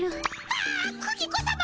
あクギ子さま！